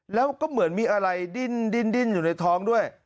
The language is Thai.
แล้วก็เหมือนมีอะไรดิ้นอยู่ในท้องด้วย